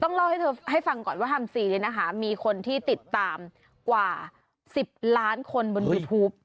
เล่าให้เธอให้ฟังก่อนว่าแฮมซีเนี่ยนะคะมีคนที่ติดตามกว่า๑๐ล้านคนบนยูทูป